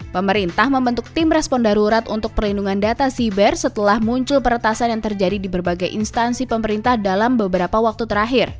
pemerintah membentuk tim respon darurat untuk perlindungan data siber setelah muncul peretasan yang terjadi di berbagai instansi pemerintah dalam beberapa waktu terakhir